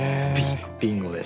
ビンゴです。